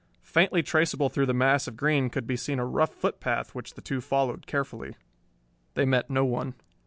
Faintly traceable through the mass of green could be seen a rough footpath which the two followed carefully. They met no one.